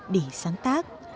để sáng tác